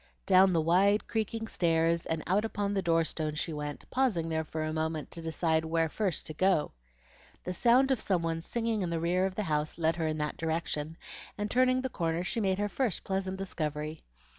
Down the wide, creaking stairs and out upon the door stone she went, pausing there for a moment to decide where first to go. The sound of some one singing in the rear of the house led her in that direction, and turning the corner she made her first pleasant discovery.